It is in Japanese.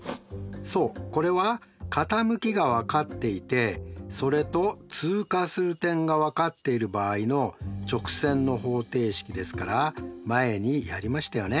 そうこれは傾きが分かっていてそれと通過する点が分かっている場合の直線の方程式ですから前にやりましたよね